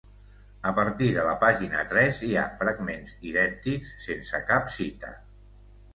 A partir de la pàgina tres hi ha fragments idèntics sense cap cita.